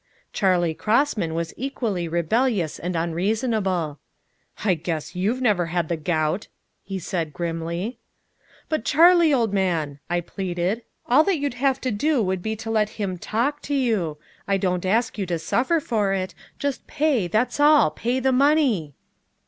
Charley Crossman was equally rebellious and unreasonable. "I guess you've never had the gout," he said grimly. "But Charley, old man," I pleaded, "all that you'd have to do would be to let him talk to you. I don't ask you to suffer for it. Just pay that's all pay my money!"